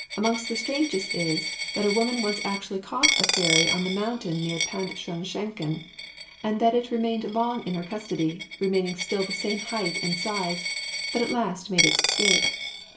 Among the strangest is, that a woman once actually caught a fairy on the mountain near Pant Shon Shenkin, and that it remained long in her custody, retaining still the same height and size, but at last made its escape.